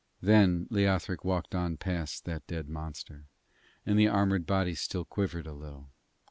Then Leothric walked on past that dead monster, and the armoured body still quivered a little.